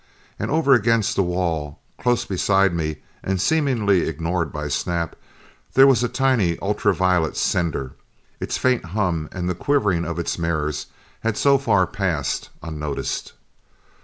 And over against the wall, close beside me and seemingly ignored by Snap, there was a tiny ultra violet sender. Its faint hum and the quivering of its mirrors had so far passed unnoticed.